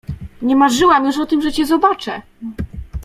— Nie marzyłam już o tym, że cię zobaczę!